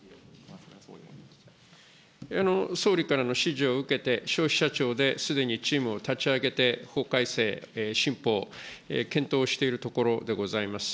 総理からの指示を受けて、消費者庁ですでにチームを立ち上げて、法改正、新法、検討しているところでございます。